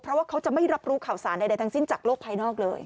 เพราะว่าเขาจะไม่รับรู้ข่าวสารใดทั้งสิ้นจากโลกภายนอกเลย